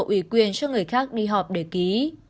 ủy quyền cho người khác đi họp để ký